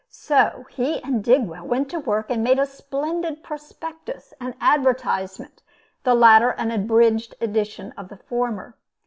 So he and Digwell went to work and made a splendid prospectus and advertisement, the latter an abridged edition of the former.